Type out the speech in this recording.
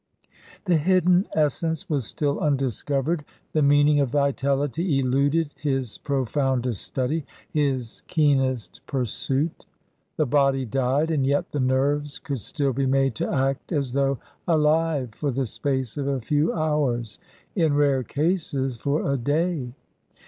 The hidden essence was still undiscovered, the meaning of vitality eluded his profoundest study, his keenest pursuit. The body died, and yet the nerves could still be made to act as though alive for the space of a few hours in rare cases for a day.